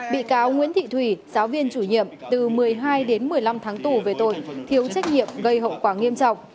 bị cáo nguyễn thị thủy giáo viên chủ nhiệm từ một mươi hai đến một mươi năm tháng tù về tội thiếu trách nhiệm gây hậu quả nghiêm trọng